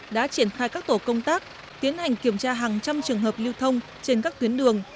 đã triển khai các tổ công tác tiến hành kiểm tra hàng trăm trường hợp lưu thông trên các tuyến đường